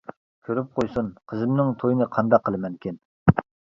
كۆرۈپ قويسۇن، قىزىمنىڭ تويىنى قانداق قىلىمەنكىن.